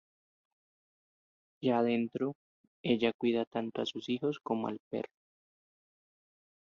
Ya dentro, ella cuida tanto a sus hijos como al perro.